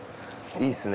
いいっすね